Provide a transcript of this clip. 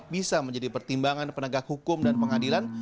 bisa menjadi pertimbangan penegak hukum dan pengadilan